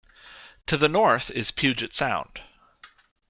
To the north is Puget Sound.